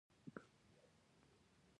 دوج له مړینې وروسته بدلونونه پیل شول.